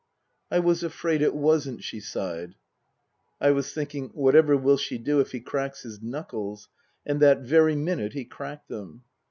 " I was afraid it wasn't," she sighed. I was thinking, " Whatever will she do if he cracks his knuckles ?" and that very minute he cracked them.